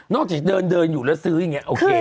จากเดินอยู่แล้วซื้ออย่างนี้โอเค